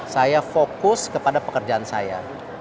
saya fokus kepada pekerjaan saya